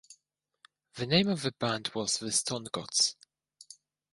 The name of the band was The Stone Gods.